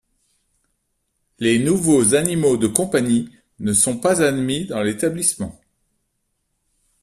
Les nouveaux animaux de compagnie ne sont pas admis dans l’établissement.